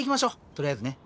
とりあえずね。